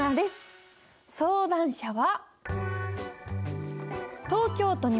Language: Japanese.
相談者は。